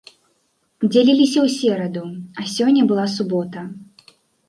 Дзяліліся ў сераду, а сёння была субота.